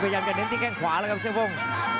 พยายามแกนนต์ที่แก้งขวาแล้วครับเสียเราฟ่อง